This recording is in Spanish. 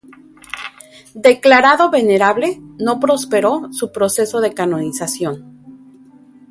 Declarado venerable no prosperó su proceso de canonización.